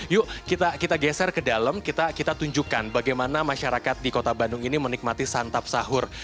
yuk kita geser ke dalam kita tunjukkan bagaimana masyarakat di kota bandung ini menikmati santap sahur